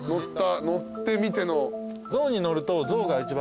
乗ってみての。